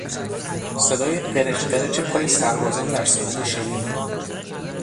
صدای قرچ قرچ پای سربازان در ساحل شنی